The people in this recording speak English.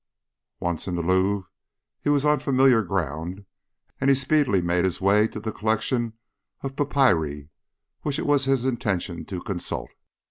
Once in the Louvre he was on familiar ground, and he speedily made his way to the collection of papyri which it was his intention to consult.